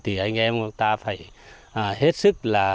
thì anh em của ta phải hết sức là